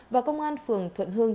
và công an phường thuận hương